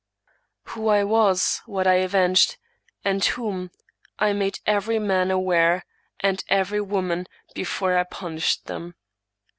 Who I was, what I avenged, and whom, I made every man aware, and every woman, before I pun ished them.